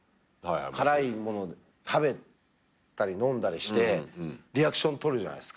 辛いもの食べたり飲んだりしてリアクション取るじゃないですか。